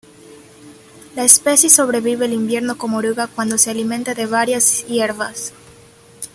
La especie sobrevive el invierno como oruga cuando se alimenta de varias hierbas.